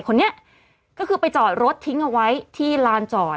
คนนี้ก็คือไปจอดรถทิ้งเอาไว้ที่ลานจอด